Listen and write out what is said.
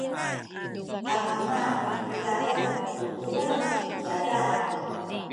amana itizaen ku kilang i zazan.